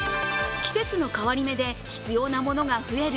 季節の変わり目で必要なものが増える